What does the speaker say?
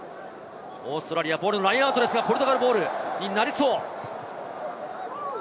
オーストラリアボールのラインアウトですが、ポルトガルボールになりそう。